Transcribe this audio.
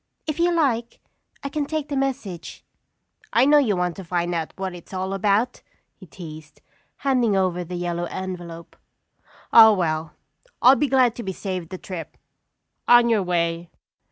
If you like, I can take the message." "I know you want to find out what it's all about," he teased, handing over the yellow envelope. "Oh, well, I'll be glad to be saved the trip. On your way."